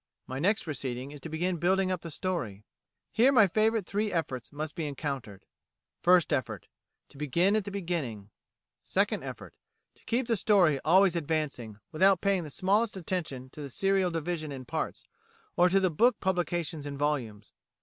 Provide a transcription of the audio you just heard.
My next proceeding is to begin building up the story. Here my favourite three efforts must be encountered. First effort: To begin at the beginning. Second effort: To keep the story always advancing, without paying the smallest attention to the serial division in parts, or to the book publications in volumes.